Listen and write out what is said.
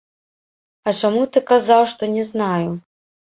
А чаму ты казаў, што не знаю?